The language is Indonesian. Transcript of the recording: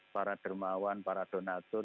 para dermawan para donator